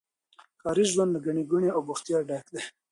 ښاري ژوند له ګڼي ګوڼي او بوختياوو ډک دی.